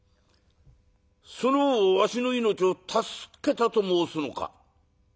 その方はわしの命を助けたと申すのか？」。